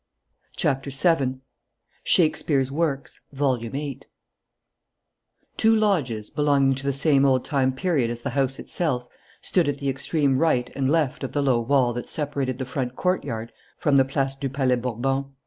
CHAPTER SEVEN SHAKESPEARE'S WORKS, VOLUME VIII Two lodges, belonging to the same old time period as the house itself, stood at the extreme right and left of the low wall that separated the front courtyard from the Place du Palais Bourbon.